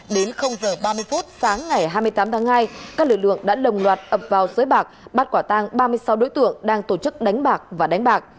đến giờ ba mươi phút sáng ngày hai mươi tám tháng hai các lực lượng đã đồng loạt ập vào sới bạc bắt quả tang ba mươi sáu đối tượng đang tổ chức đánh bạc và đánh bạc